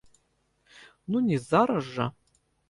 Ну не зараз жа.